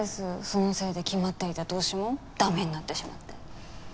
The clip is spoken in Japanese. そのせいで決まっていた投資も駄目になってしまって。